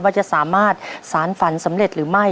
ว่าจะสามารถสารฝันสำเร็จหรือไม่